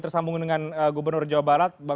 tersambung dengan gubernur jawa barat